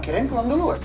kirain pulang dulu kan